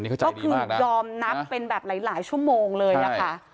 ก็คือยอมนับเป็นแบบหลายชั่วโมงเลยค่ะ